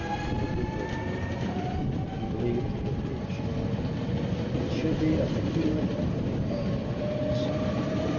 It would be good to get back. He believed he could preach to morrow. It should be of the healing of the air and the sun.